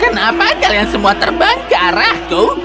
kenapa kalian semua terbang ke arahku